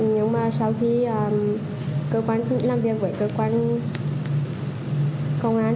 nhưng mà sau khi cơ quan cũng làm việc với cơ quan công an